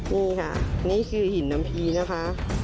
นี่ค่ะนี่คือหินน้ำพีนะคะ